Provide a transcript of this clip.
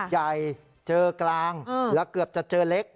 ใหญ่เจอกลางแล้วเกือบจะเจอเล็ก